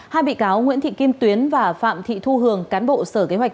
hai bị cáo nguyễn thị kim tuyến và phạm thị thu hường cán bộ sở kế hoạch